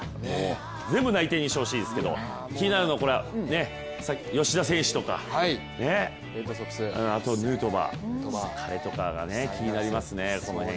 全部内定にしてほしいですけど気になるのは吉田選手とか、あとヌートバーとかが気になりますね。